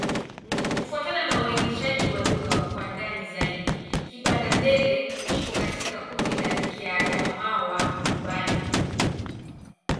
Kufuatana na uainishaji wa lugha kwa ndani zaidi, Kibanda-Ndele iko katika kundi la Kiadamawa-Ubangi.